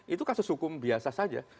itu kasus hukum biasa saja